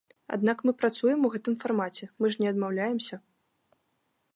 Аднак мы працуем у гэтым фармаце, мы ж не адмаўляемся.